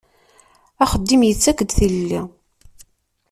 Axeddim yettak-d tilelli.